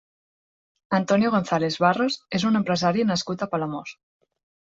Antonio González-Barros és un empresari nascut a Palamós.